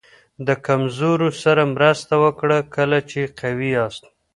د کمزورو سره مرسته وکړه کله چې قوي یاست.